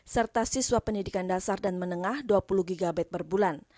serta siswa pendidikan dasar dan menengah dua puluh gb per bulan